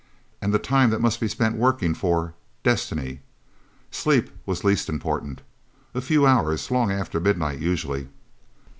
And the time that must be spent working for Destiny. Sleep was least important a few hours, long after midnight, usually.